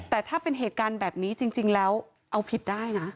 แต่ถ้าเป็นเหตุการณ์แบบนี้จริงแล้วเอาผิดได้นะ